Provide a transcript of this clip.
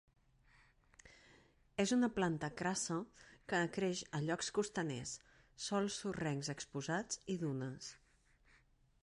És una planta crassa que creix a llocs costaners, sòls sorrencs exposats i dunes.